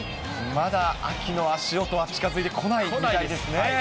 まだ秋の足音は近づいてこな来ないですね。